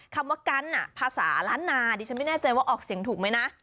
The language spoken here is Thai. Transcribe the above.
คำว่ากันภาษาล้านนาดิฉันไม่แน่ใจว่าออกเสียงถูกไหมนะ